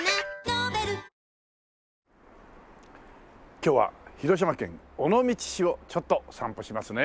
今日は広島県尾道市をちょっと散歩しますね。